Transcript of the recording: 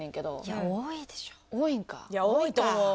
いや多いと思う。